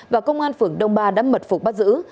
và công an phường đông ba đã mật phục bắt giữ